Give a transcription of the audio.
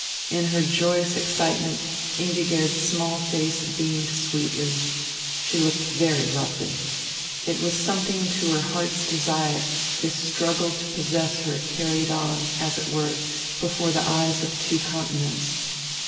In her joyous excitement Ingigerd's small face beamed sweetly. She looked very lovely. It was something to her heart's desire, this struggle to possess her carried on, as it were, before the eyes of two continents.